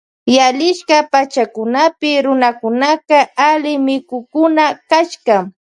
Yalisha pachakunapika runakunaka alli mikukkuna kashka.